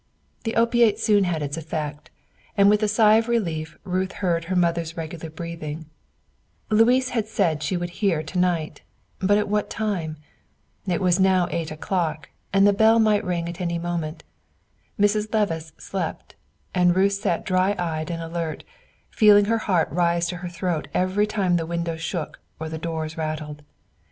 The opiate soon had its effect; and with a sigh of relief Ruth heard her mother's regular breathing. It was now her turn to suffer openly the fox wounds. Louis had said she would hear to night; but at what time? It was now eight o'clock, and the bell might ring at any moment. Mrs. Levice slept; and Ruth sat dry eyed and alert, feeling her heart rise to her throat every time the windows shook or the doors rattled.